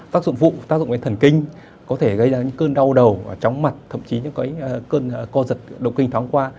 tác dụng phụ tác dụng về thần kinh có thể gây ra những cơn đau đầu tróng mặt thậm chí những cái cơn co giật độc kinh tháng qua